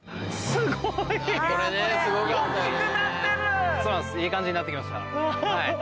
すごい！